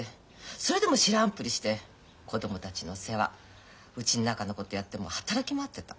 それでも知らんぷりして子供たちの世話うちの中のことやってもう働き回ってた。